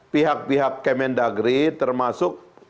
pihak pihak kemendagri termasuk